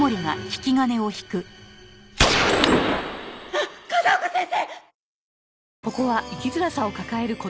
あっ風丘先生！！